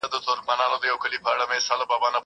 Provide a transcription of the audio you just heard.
زه اجازه لرم چې اوبه وڅښم!!